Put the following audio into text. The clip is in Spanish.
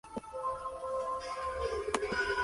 Es famosa por su portada de estilo moderno.